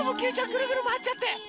くるくるまわっちゃって。